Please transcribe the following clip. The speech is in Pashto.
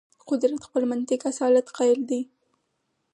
قدرت خپل منطق اصالت قایل دی.